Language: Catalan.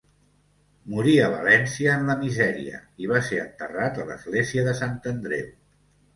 Morí a València en la misèria, i va ser enterrat a l'església de Sant Andreu.